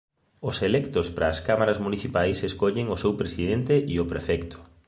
Os electos para as Cámaras Municipais escollen o seu presidente e o prefecto.